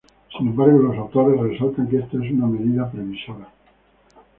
Sin embargo los autores resaltan que esto es una medida provisoria.